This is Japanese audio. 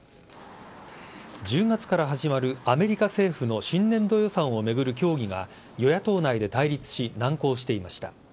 １０月から始まるアメリカ政府の新年度予算を巡る協議が与野党内で対立し難航していました。